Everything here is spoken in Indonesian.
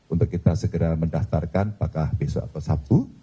untuk kita segera mendaftarkan apakah besok atau sabtu